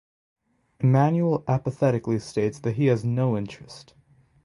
Immanuel apathetically states that he has no interest.